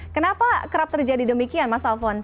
kenapa kerap terjadi demikian mas alphon